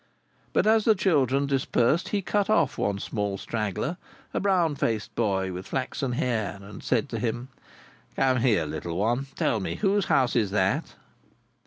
But as the children dispersed, he cut off one small straggler—a brown faced boy with flaxen hair—and said to him: "Come here, little one. Tell me whose house is that?"